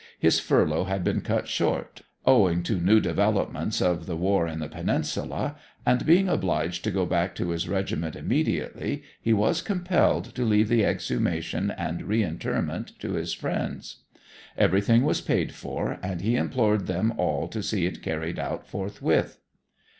His furlough had been cut short, owing to new developments of the war in the Peninsula, and being obliged to go back to his regiment immediately, he was compelled to leave the exhumation and reinterment to his friends. Everything was paid for, and he implored them all to see it carried out forthwith.